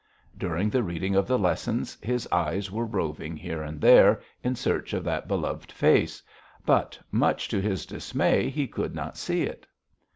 During the reading of the lessons his eyes were roving here and there in search of that beloved face, but much to his dismay he could not see it.